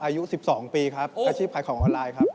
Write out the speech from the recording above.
อายุ๑๒ปีครับอาชีพขายของออนไลน์ครับ